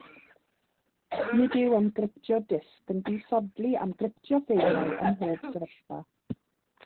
Nid yw amgryptio disg yn disodli amgryptio ffeiliau ym mhob sefyllfa.